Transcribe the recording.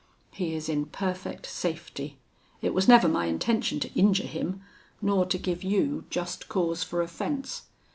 He is in perfect safety. It was never my intention to injure him, nor to give you just cause for offence.